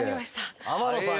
天野さん